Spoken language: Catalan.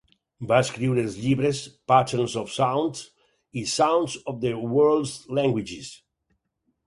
Va escriure els llibres "Patterns of Sounds" i "Sounds of the World's Languages".